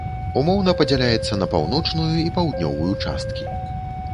Умоўна падзяляецца на паўночную і паўднёвую часткі.